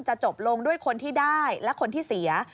จบลงด้วยคนที่ได้และคนที่เสีย